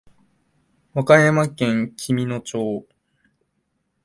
和歌山県紀美野町